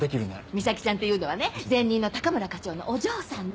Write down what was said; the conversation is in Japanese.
美咲ちゃんっていうのはね前任の高村課長のお嬢さんで。